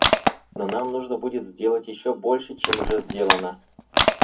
Но нам нужно будет сделать еще больше, чем уже сделано.